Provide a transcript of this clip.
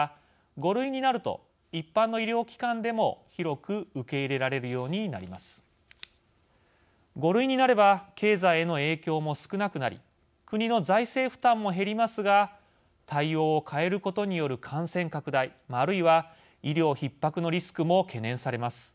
５類になれば経済への影響も少なくなり国の財政負担も減りますが対応を変えることによる感染拡大、あるいは医療ひっ迫のリスクも懸念されます。